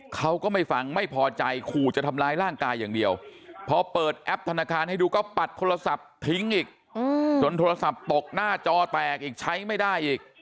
เขาก็ไม่ฟังไม่พอใจขู่จะทำร้ายร่างกายอย่างเดียวพอเปิดแอปธนาคารให้ดูก็ปัดโทรศัพท์ทิ้งอีกจนโทรศัพท์ตกหน้าจอแตกอีกใช้ไม่ได้อีก